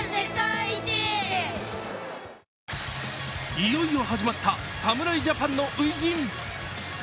いよいよ始まった侍ジャパンの初陣。